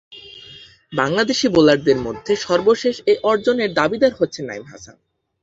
বাংলাদেশী বোলারদের মধ্যে সর্বশেষ এ অর্জনের দাবীদার হচ্ছেন নাঈম হাসান।